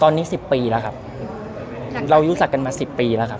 ตอนนี้สิบปีแล้วครับเรารู้จักกันมาสิบปีแล้วครับ